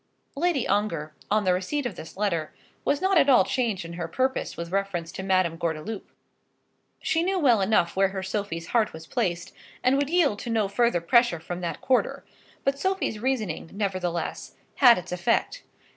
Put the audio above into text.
Lady Ongar, on the receipt of this letter, was not at all changed in her purpose with reference to Madame Gordeloup. She knew well enough where her Sophie's heart was placed, and would yield to no further pressure from that quarter; but Sophie's reasoning, nevertheless, had its effect.